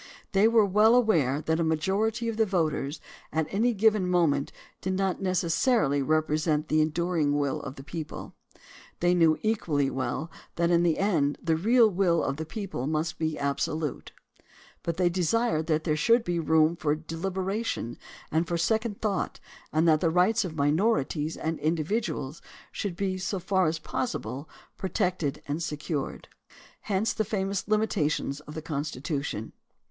They were well aware that a majority of the voters at any given moment did not necessarily represent the enduring will of the people. They knew equally well that in the end the real will of the people must be absolute, but they de sired that there should be room for deliberation and for second thought and that the rights of minorities and of individuals should be so far as possible pro tected and secured. Hence the famous limitations of the Constitution.